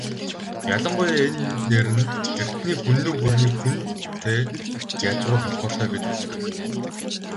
Ялангуяа энэ нэр нь эртний Хүннү гүрний "Хүн"-тэй язгуур холбоотой гэж үздэг.